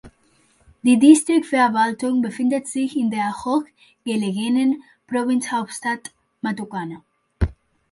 Die Distriktverwaltung befindet sich in der hoch gelegenen Provinzhauptstadt Matucana.